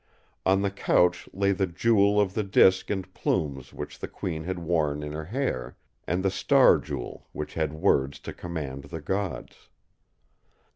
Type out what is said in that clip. On the couch lay the jewel of the disk and plumes which the Queen had worn in her hair, and the Star Jewel which had words to command the Gods.